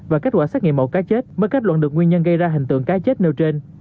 và kết quả xét nghiệm mẫu cá chết mới kết luận được nguyên nhân gây ra hiện tượng cá chết nêu trên